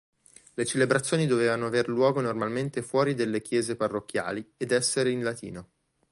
Le celebrazioni dovevano avere luogo normalmente fuori delle chiese parrocchiali ed essere in latino.